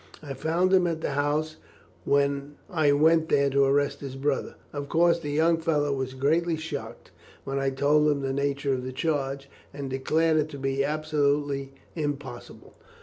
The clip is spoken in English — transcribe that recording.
I found him at the house when I went there to arrest his brother. Of course, the young fellow was greatly shocked when I told him the nature of the charge, and declared it to be absolutely impossible.